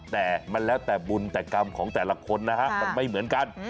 แต่มันแล้วแต่บุญแต่กรรมของแต่ละคนนะฮะมันไม่เหมือนกัน